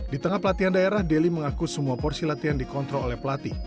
di tengah pelatihan daerah deli mengaku semua porsi latihan dikontrol oleh pelatih